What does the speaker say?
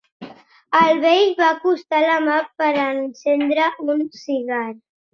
El vell va acostar la mà per encendre un cigar.